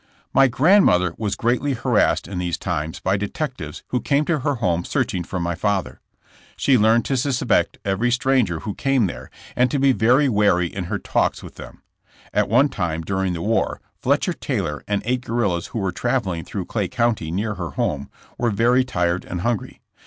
My grandmother was greatly harassed in these times by detectives who came to her home searching for my father. She learned to suspect every stranger who came there, and to be very wary in her talks with them. At one time during the war Fletcher Taylor and eight guerrillas who were traveling through Clay County near her home were very tired and hungry.